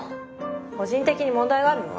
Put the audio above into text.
個人的に問題があるの？